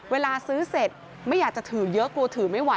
เวลาซื้อเสร็จไม่อยากจะถือเยอะกลัวถือไม่ไห